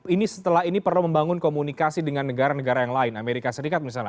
ini setelah ini perlu membangun komunikasi dengan negara negara yang lain amerika serikat misalnya